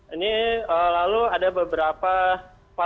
ini lalu ada beberapa